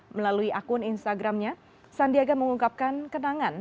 melalui akun instagramnya sandiaga mengungkapkan kenangan